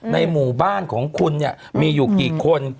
ในหมู่บ้านของคุณเนี่ยมีอยู่กี่คน